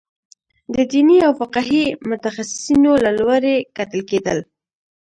د دیني او فقهي متخصصینو له لوري کتل کېدل.